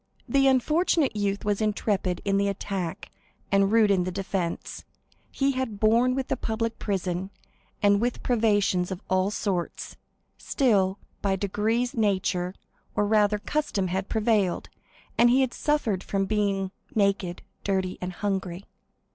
The unfortunate youth was intrepid in the attack, and rude in the defence. He had borne with the public prison, and with privations of all sorts; still, by degrees nature, or rather custom, had prevailed, and he suffered from being naked, dirty, and hungry.